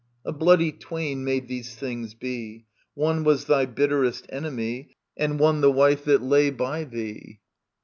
A bloody twain made these things be ; One was thy bitterest enemy, And one the wife that lay by thee.